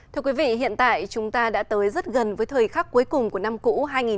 thưa quý vị hiện tại chúng ta đã tới rất gần với thời khắc cuối cùng của năm cũ hai nghìn một mươi chín